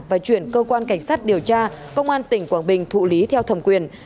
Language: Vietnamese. và chuyển cơ quan cảnh sát điều tra công an tỉnh quảng bình thụ lý theo thẩm quyền